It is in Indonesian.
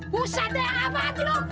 pusat ya apa hati lo